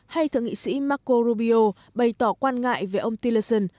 hay thượng nghị sĩ marco rubio bày tỏ quan ngại về ông tillerson